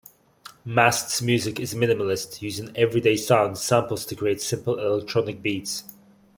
Mast's music is minimalist, using everyday sounds samples to create simple electronic beats.